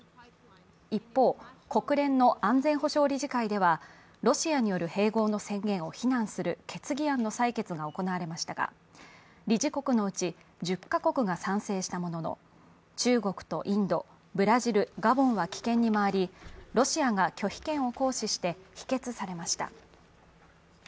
一方、国連の安全保障理事会ではロシアによる併合の宣言を非難する決議案の採決が行われましたが理事国のうち１０か国が賛成したものの中国とインド、ブラジル、ガボンは棄権に回りロシアが拒否権を行使して否決されました。